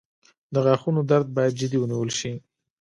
• د غاښونو درد باید جدي ونیول شي.